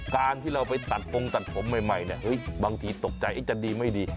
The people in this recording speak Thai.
การที่เราไปตัดตรงตัดผมใหม่เนี่ยเฮ้ยบางทีตกใจอีกจะดีไม่ดี